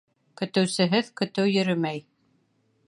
Көтөүсеһеҙ көтөү йөрөмәй.